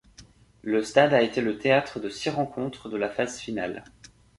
Le stade a été le théâtre de six rencontres de la phase finale.